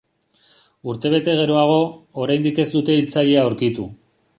Urtebete geroago, oraindik ez dute hiltzailea aurkitu.